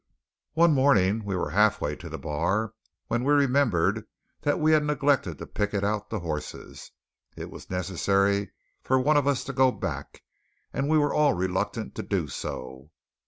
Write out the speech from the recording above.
One morning we were halfway to the bar when we remembered that we had neglected to picket out the horses. It was necessary for one of us to go back, and we were all reluctant to do so.